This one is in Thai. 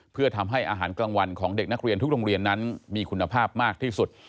เพื่อทำให้อาหารกลางวันของเด็กนักเรียนทุกโรงเรียนนั้นมีคุณภาพมากที่สุด